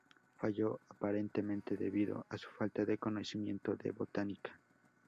Falló, aparentemente debido a su falta de conocimiento de botánica.